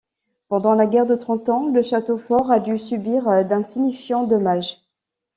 Pendant la guerre de Trente Ans, le château fort a dû subir d'insignifiants dommages.